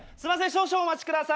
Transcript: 少々お待ちください。